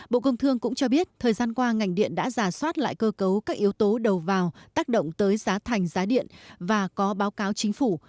bộ công thương cũng cho biết thời gian qua ngành điện đã giả soát lại cơ cấu các yếu tố đầu vào tác động tới giá thành giá điện và có báo cáo chính phủ